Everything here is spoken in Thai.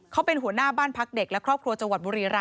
เขาเป็นหัวหน้าบ้านพักเด็กและครอบครัวจังหวัดบุรีรำ